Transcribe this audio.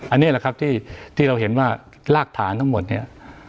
อันนี้แหละครับที่เราเห็นว่ารากฐานทั้งหมดเนี่ย